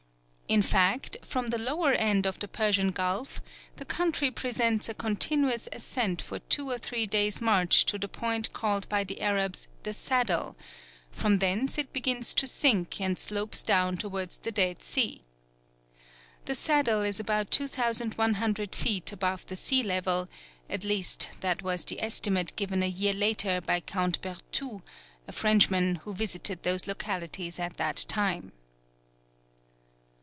In fact from the lower end of the Persian Gulf the country presents a continuous ascent for two or three days' march to the point called by the Arabs the Saddle, from thence it begins to sink and slopes down towards the Dead Sea. The Saddle is about 2100 feet above the sea level, at least that was the estimate given a year later by Count Bertou, a Frenchman, who visited those localities at that time.